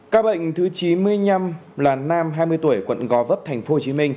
các bệnh thứ chín mươi năm là nam hai mươi tuổi quận gò vấp tp hcm